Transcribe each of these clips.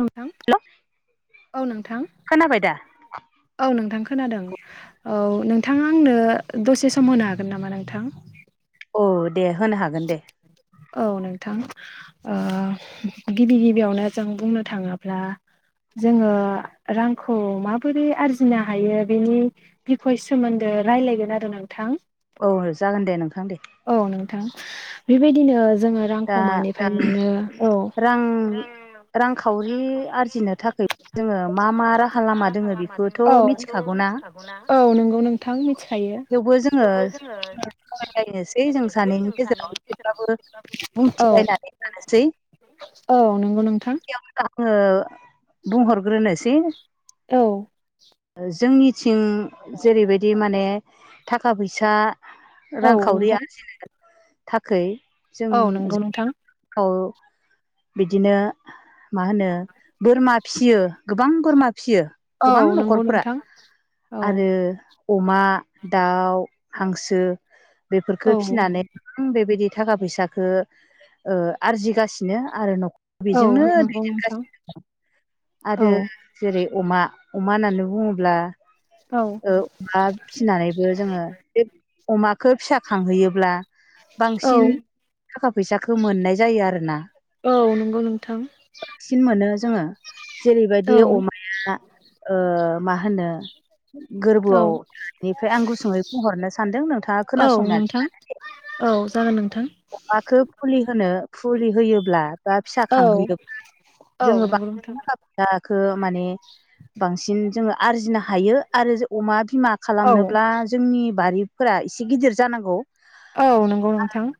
नोंथां हेल' औ नोंथां खोनाबाय दा? औ नोंथां खोनादों औ नोंथाङा आंनो दसे सम होनो हागोन नामा नोंथां? औ दे होनो हागोन दे। औ नोंथां ओ गिबि गिबियावनो जों बुंनो थाङोब्ला जोङो रांखौ माबोरै आरजिनो हायो बेनि बिखय सोमोन्दो ए रायलायगोन आरो नोंथां? औनो जागोन दे नोंथां दे। औ नोंथां बेबायदिनो जोङो दा रांखौ मानिफ्राय मोननो औ। रां रांखावरि आरजिनो थाखाय जोङो मा मा राहा लामा दङ [inaudible] औ मिथिखागौना? औ नोंगौ नोंथां मि थेवबो जोङो [inaudible] जों सानैनि गेजेराव एसेब्लाबो औ बुंथिलायनानै थानोसै। औ नंगौ नोंथां बिदि आङो बुंहरग्रोनोसै। औ जोंनिथिं जेरैबायदि माने थाखा फैसा औ रांखावरि नोंथां आरजिनो थाखै जों औ नंगौ जोंनि नोंथां [inaudible] बिदिनो मा होनो बोरमा फिसियो गोबां बोरमा फियो औ गोबां नंगौ न'खरफोरा नोंथां औ आरो अमा दाउ हांसो बेफोरफोरखौ औ फिनानै बेबायदि थाखा फैसाखौ ओ आरजिगासिनो आरो न'खर औ बेजोंनो नंगौ नोंथां दैदेनगासिनो दं औ आरो जेरै अमा अमा होननानै बुङोब्ला औ ओ अमा फिसिनानैबो जोङो बे अमाखो फिसा खांहैयोब्ला औ बांसिन थाखा फैसाखौ मोननाय जायो आरो ना? औ नंगौ नोंथां। मोनो जोङो औ जेरैबायदि अमाया ओ मा होनो औ गोरबोआव बेनिफ्राय आं गुसुङै बुंहरनो सानदों नोंथाङा औ नोंथां खोनासंनानै औ जागोन नोंथां अमाखौ फुलि होनो फुलि होयोब्ला बा फिसा औ खांहोयोब्ला औ जोङो नंगौ बांसिन नोंथां थाखा फैसाखो माने बांसिन जोङो आरजिनो हायो आरो अमा बिमा औ खालामनोब्ला जोंनि बारि फोरा एसे गिदिर जानांगौ। औ नंगौ नोंथां।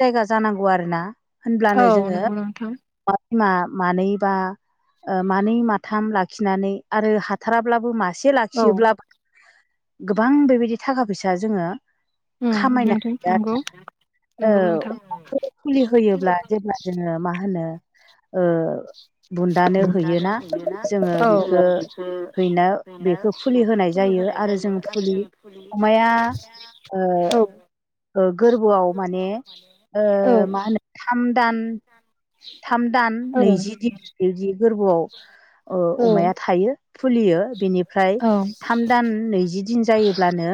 जायगा जानांगौ आरोना औ होनब्लानो जोङो नंगौ नोंथां मा मानै बा ओ मानै माथाम लाखिनानै आरो हाथाराब्लाबो मा सासे औ लाखियोब्ला गोबां बेबायदि थाखा फैसा जोङो उम नोंथां नंगौ। नंगौ ओव नोंथां अमाखौ फुलि होयोब्ला जेब्ला जोङो मा होनो ओ बुन्दानो हैयोना जोङो औ बेखौ हैना बेखो फुलि होनाय जायो। आरो जों फुलि अमाया औ गोरबोआव माने मा होनो थाम दान थाम दान औ नैजि दिन बिदि गोरबोआव अमाया थायो फुलियो बेनिफ्राय थाम दान नैजि दिन जायोब्लानो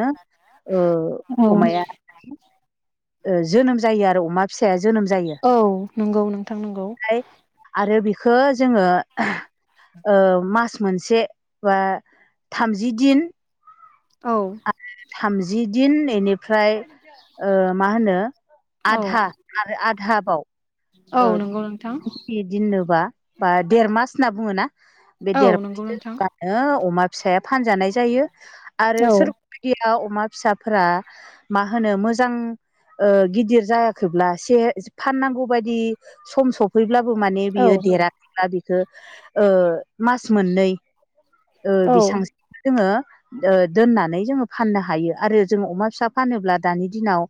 औ अमाया जोनोम जायो आरो अमा फिसाया जोनोम जायो औ नंगौ नोंथां नंगौ फ्राय आरो खो जोंङो मास मोनसे बा थामजि दिन औ थामजि दिन बेनिफ्राय मा होनो औ आधा आरो आधा बाव औ नंगौ नोंथां दोननोबा बा देरमास होनना बुङोना बे औ नंगौ नोंथां। देरमासोब्लानो अमा फिसाया फानजानाय जायो आरो औ सोरबा फा अमा फिसाफोरा मा होनो मोजां गिदिर जायाखैब्ला से फाननांगौ बायदि सम सफैब्ला माने बियो औ देराखैब्ला बिखौ मास मोननै औ बेसांसिम जोङो दोननानै जोङो फाननो हायो आरो जोङो अमा फिसा फानोब्ला दानि दिनाव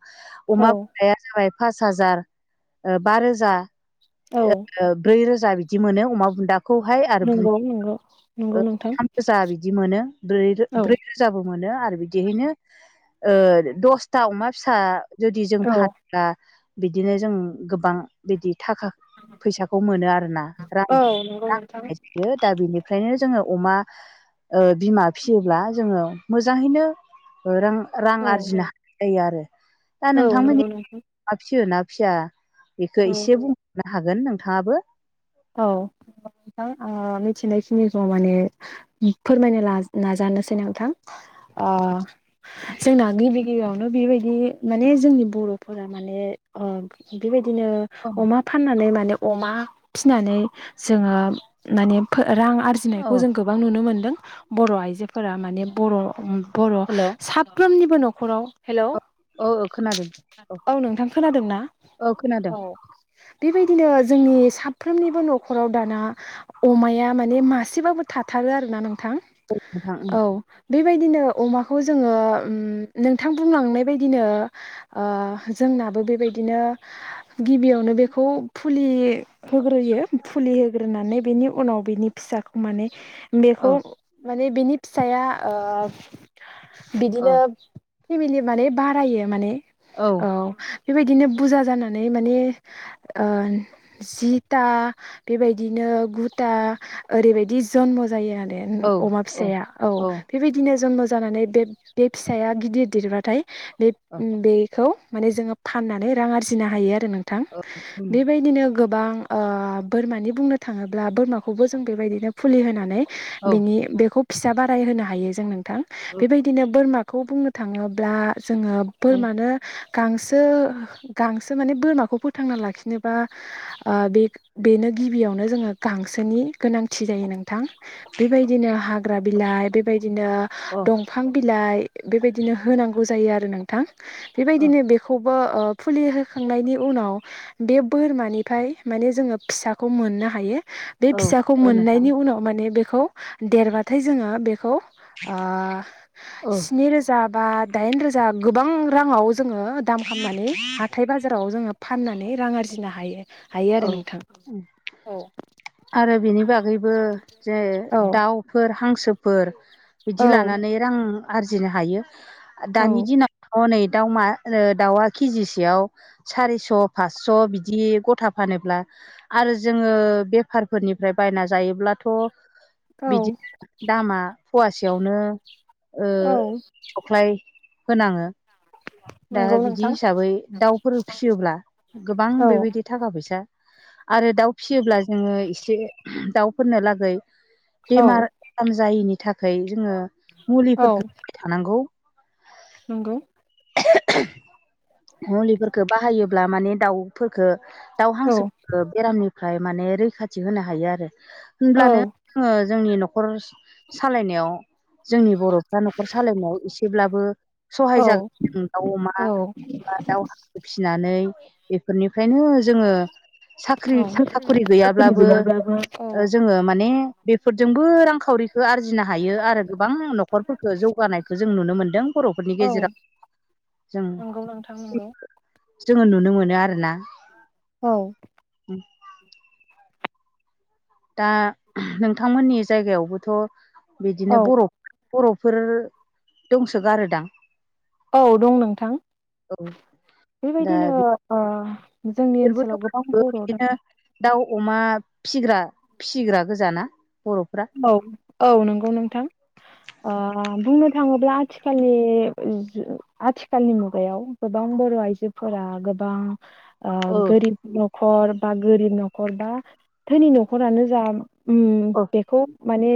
अमा औ फिसाया जाबाय फास हाजार बा रोजा औ ब्रै रोजा जा बिदि मोनो अमा बुन्दाखौहाय आरो नंगौ नंगौ नंगौ बुन्दिखौ नोंथां थाम रोजा बिदि मोनो ब्रै औ रोजाबो मोनो आरो बिदिहायनो दसथा अमा फिसा जुदि जों औ फानोब्ला बिदिनो जों गोबां बिदि थाखा फैसाखौ मोनो आरोना रां औ नंगौ नोंथां रांयो दा बेनि- फ्रायनो जोङो अमा बिमा फिसियोब्ला जोङो मोजाङैनो रां रां औ आरजिनो हायो आरो औ नंगौ नंगौ ना फियो ना फिया बेखौ एसे बुंहरनो हागोन नोंथाङाबो औ ओ मिथिनायखिनिखौ माने फोरमायनो ना नाजानोसै नोंथां ओ जोंना गिबि यावनो बेबायदि माने जोंनि बर'फोरा माने ओ बेबायदि बिदिनो अमा फाननानै माने अमा फिनानै जोङो माने फो रां औ आरजिनायखौ जों गोबां नुनो मोनदों बर' आइजो फोरा माने बर' बर' हेलौ साफ्रोमनिबो न'खराव हेल' औ नोंथां खोनादोंना औ खोनादों औ बेबायदिनो जोंनि साब फ्रोमनिबो न'खराव दाना अमाया माने मासेबाबो थाथारो आरोना नों थां नोंथां औ बे बायदिनो अमाखौ जों उम नोंथां बुंलांनाय बायदिनो ओ जोंना आबो बेबायदिनो गिबियावनो बेखौ फुलि होग्रोयो फुलि होग्रोनानै बेनि उनाव बिनि फिसाखौ माने औ बेखौ माने बिनि फिसाया ओ औ बिदिनो फेमिलि माने बारायो माने औ बेबायदिनो बुरजा जानानै माने ओ जिथा बेबायदिनो गुथा ओरैबायदि जन्म जायो आरो अमा फिसाया औ बेबायदिनो जन्म जानानै बे बे फिसाया गिदिर दिरबाथाय बे औ बेखौ माने जोङो फाननानै रां आरजिनो हायो आरो नोंथां बेबायदिनो गोब बां ओ बोरमानि बुंनो थाङोब्ला बोरमाखौबो जों बेबायदिनो फुलि होनानै बिनि बेखौ फिसा बाराय होनो हायो जों नोंथां बेबायदिनो बोरमा खौ बुंनो थाङोब्ला जोङो बोरमानो गांसो गांसो माने बोरमाखौ फोथांना लाखिनोबा ओ बे बेनो गिबियावनो जोङो गांसोनि गोनांथि जायो नों थां बेबायनो हाग्रा बिलाइ बेबादिनो औ दंफां बि लाइ बेबादिनो होनांगौ जायो आरो नोंथां बेबायदिनो बेखौ बो ओ फुलि होखांनायनि उनाव बे बोरमानि ओमफ्राय माने जोङो फिसाखौ मोननो हायो बे औ फिसाखौ औ नोंथां मोननायनि उनाव माने बे खौ देरबाथाय जोङो बेखौ ओ औ स्नि रोजा बा दाइन रोजा गोबां राङाव जोङो दाम खामनानै हाथाय बाजाराव जोङो फाननानै रां आरजिनो हायो। हायो आरो औ नोंथा औ ओ बिनि बागैबो जे औ दावफोर हां सोफोर बिदि औ लानानै रां आरजिनो हायो दानि दिनावथ' नै दाउमा ओ दाउआ केजिसेयाव सारिस' फासस' बिदि गथा फानोब्ला आरो जोङो बेफारफोरनिफ्राय बायना जायोब्लाथ' औ बिदि दामा फवासेयावनो ओ औ खख्लाय होनाङो दा नंगौ बिदि नोंथां हिसाबै दाउफोर फिसियोब्ला गोबां औ बेबायदि थाखा फैसा आरो दाउ फिसियोब्ला जोङो एसे दाउफोरनो लागै औ बेमार आजार जायिनि थाखाय जोङो औ मुलिफोरखौ होबाथानांगौ। नंगौ मुलिफोरखो बाहायोब्ला माने दाउफोरखो दाउ औ हांसो बेरामनि फ्राय माने रैखाथि होनो हायो आरो औ होनब्लानो ज जोंनि न' खर सालायनायाव जोंनि बर'फ्रा न'खर सालायनायाव एसेब्लाबो सहाय जा औ गोन दाउ, अमा औ बा, दाउ हांसो फिसिनानै बेफोरनिफ्रायनो जोङो साख्रि साखरि औ गैयाब्लाबो जोङो माने बेफोरजोंबो रांखावरिखौ आरजिनो हायो आरो गोबां न'खरफोरखौ जौगानायखौ जों नुनो मोन्दों। बर'फोरनि औ गेजेराव जों नंगौ नोंथां नंगौ। जोङो नुनो मोनो आरोना औ। [inaudible] दा नोंथांमोननि जायगायावबोथ' बिदिनो औ बर' बर'फोर दंसोगारो दां? औ दं नोंथां दा बेबायदिनो ओ जोंनि बिसोरबोथ' ओनसोलाव गोबां गासैबो बर' दं बिदिनो दाउ अमा फिग्रा फिसिग्रा गोजाना बर'फ्रा औ औ नंगौ नोंथां, ओ बुंनो थाङोब्ला आथिखालनि जु आथिखालनि मुगायाव गोबां बर' आइजोफोरा गो बां ओ औ गोरिब न' खर बा गोरिब न'खर बा धोनि न'खरानो जा उम औ बेखौ माने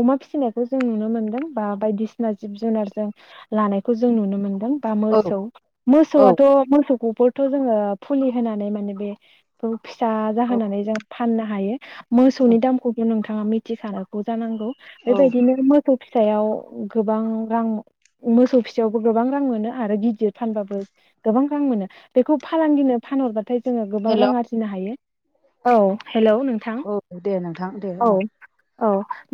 अमा फिसिनायखौ जों नुनो मोनदों बा बायदिसिना जिब जुनारजों ला नायखौ जों नुनो मोनदों बा औ मोसौ औ मोसौआथ' मोसौखौ थ' जोङो फुलि होनानै माने बे फिसा जाहोनानै जों फाननो हायो। औ मोसौनि दामखौबो नोंथाङा मिथिखानांगौ जानांगौ औ बेबायदिनो मोसौ फिसायाव गोबां रां मोसौ फिसायावबो गोबां रां मोनो आरो गिदिर फानबाबो गोबां रां मोनो बेखौ फालांगिनो फानहरबाथाय जोङो गोबां हेल' रां आरजिनो हायो औ हेलौ नोंथां औ दे नोंथां दे औ ओं औ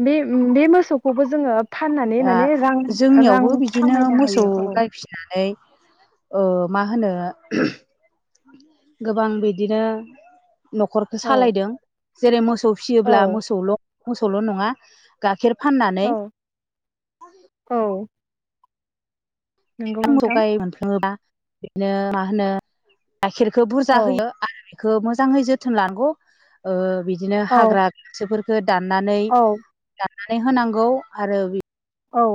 बे बे मोसौखौबो जोङो फाननानै दा माने रां रां जोंनियावबो बिदिनो खामायनो मोसौ हायो औ गाय फिसिनानै ओ मा होनो गोबां बिदिनो न'खरखो औ सालायदों जेरै मोसौ फियोब्ला औ मोसौल' मोसौल' नङा गाइखेर फाननानै औ औ नंगौ मोजां मोसौ नोंथां गाय मोनफ्लाङोबा बिदिनो मा होनो गाइखेरखौ बुरजा औ होयो आरो बेखौ मोजाङै जोथोन लानांगौ बिदिनो औ हाग्रा गांसोफोरफोरखौ दाननानै औ दाननानै होनांगौ आरो औ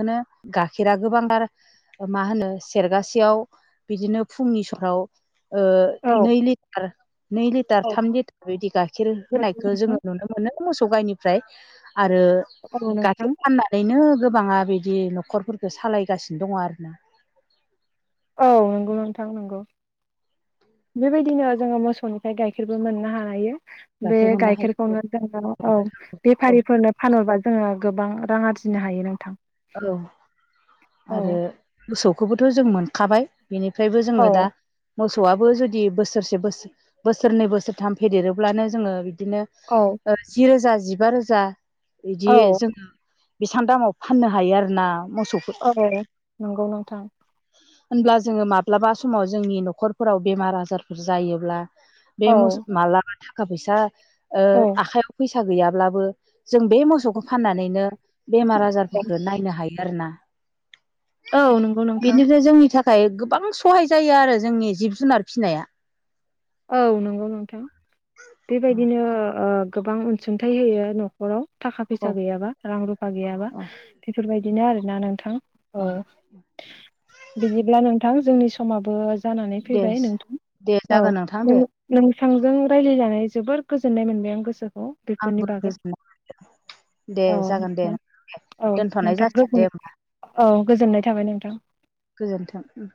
बेनो गाइखेरा गोबांथार मा होनो सेरगासेयाव बिदिनो फुंनि माव ओ औ नै लिटार नै लिटार औ थाम लिटार बिदि गाइखेर नंगौ होनायखौ जोङो नोंथां नुनो मोनो मोसौ गाइनिफ्राय आरो औ गाइखेर नोंथां फाननानैनो गोबाङा बेबायदि न'खरफोरखौ सालायगासिनो दङ आरोना औ नंगौ नोंथां नंगौ बेबायदिनो जोङो मोसौनिफ्राय गाइखेरबो मोननो हानायो। बे गाइखेर मोननो हायो गाइखेरखौनो जोङो औ औ बेफारिफोरनो फानहरोबा जोङो गोबां रां आरजिनो हायो नोंथां औ आरो औ मोसौखौबोथ' जों मोनखाबाय बेनिफ्रायबो औ जोङो दा मोसौआबो जुदि बोसोरसे बोसोर बोसोरनै बोसोरथाम फेदेरोब्लानो जोङो बिदिनो औ जि रोजा जिबा रोजा बिदि औ जोङो बेसेबां दामाव फाननो हायो आरो ना मसौ औ नंगौ नोंथां होनब्ला जोङो माब्लाबा समाव जोंनि न'खरफोराव बेमार आजारफोर जायोब्ला बे औ मु माबलाबा थाखा फैसा ओ औ आखाइयाव फैसा गैयाब्लाबो जों बे मोसौखौ फाननानैनो बेमार आजारफोरखौ नायनो हायो आरोना। औ नंगौ नोंथां। बेनिफ्राय जोंनि थाखाय गोबां सहाय जायो आरो जोंनि जिब जुनार फिसिनाया। औ नंगौ नोंथां बेबायदिनो ओ गोबां अनसुंथाइ होयो न'खराव थाखा फैसा औ गैयाबा रां रुफा गैयाबा औ बेफोरबाय बिदिनो आरोना नोंथां औ बिदिब्ला नोंथां जोंनि समाबो जानानै दे फैबाय नोंथां दे औ जागोन नोंथां नों दे नोंथांजों रायज्लायनानै जोबोर गोजोननाय मोनबाय आं गोसो आंबो गोजोननाय मोनदों। दे औ जागोन दे नोंथां औ दोनथ'नाय नोंथां जासिगोन दे गोजोन होमबा औ गोजोननाय थाबाय नोंथां। गोजोनथों